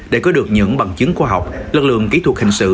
để có được những bằng chứng khoa học lực lượng kỹ thuật hình sự